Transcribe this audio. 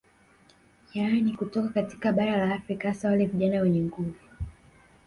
Yani kutoka katika bara la Afrika hasa wale vijana wenye nguvu